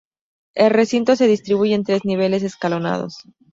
El recinto se distribuye en tres niveles escalonados.